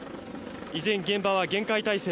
依然、現場は厳戒態勢。